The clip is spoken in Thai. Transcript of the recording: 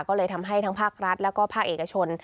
ก็เลยทำให้ทั้งภาครัฐแล้วก็ภาคเอกชน